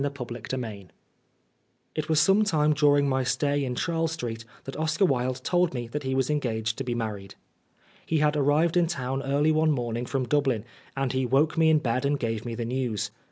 90 VIII IT was some time during my stay in Charles Street that Oscar Wilde told me that he was engaged to be married. He had arrived in town early one morning from Dublin, and he woke me in bed and gave me the news.